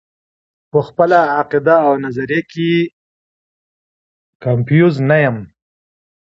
پۀ خپله عقيده او نظريه کښې کنفيوز نۀ يم -